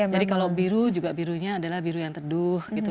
jadi kalau biru juga birunya adalah biru yang terduh gitu